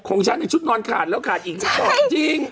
ของฉันชุดนอนขาดแล้วขาดอิงก็หล่อจริง